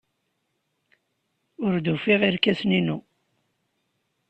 Ur d-ufiɣ irkasen-inu.